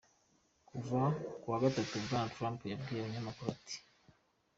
Ku wa gatatu, Bwana Trump yabwiye abanyamakuru ati:.